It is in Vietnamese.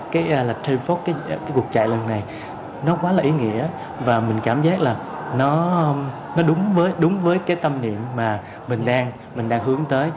cái là terry fox cái cuộc chạy lần này nó quá là ý nghĩa và mình cảm giác là nó đúng với cái tâm niệm mà mình đang hướng tới